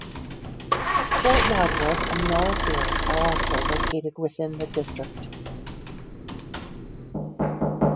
Fort Wadsworth and Miller Field are also located within the district.